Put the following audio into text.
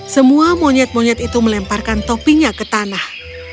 semua monyet monyet itu melemparkan topinya ke tanah